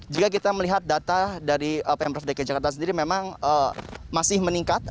jika kita melihat data dari pemprov dki jakarta sendiri memang masih meningkat